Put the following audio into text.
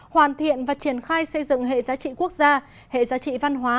hoàn thiện và triển khai xây dựng hệ giá trị quốc gia hệ giá trị văn hóa